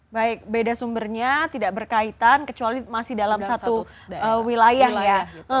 baik beda sumbernya tidak berkaitan kecuali masih dalam satu wilayah ya